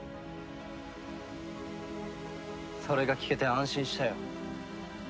それが聞けて安心したよ。